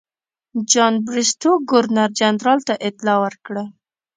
جان بریسټو ګورنر جنرال ته اطلاع ورکړه.